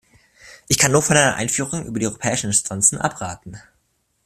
Ich kann nur von einer Einführung über die europäischen Instanzen abraten.